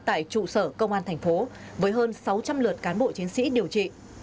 tại trụ sở công an thành phố với hơn sáu trăm linh lượt cán bộ chiến sĩ điều trị